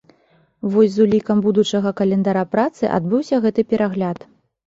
Вось з улікам будучага календара працы адбыўся гэты перагляд.